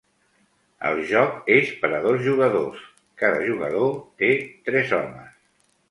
El joc és per a dos jugadors; cada jugador té tres homes.